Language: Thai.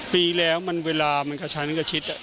ปีแล้วเวลามันกระชั้นกระชิด